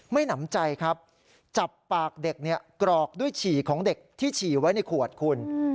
หนำใจครับจับปากเด็กกรอกด้วยฉี่ของเด็กที่ฉี่ไว้ในขวดคุณ